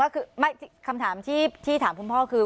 คุณหมอพูดชัดไหมที่บอกว่าปกติ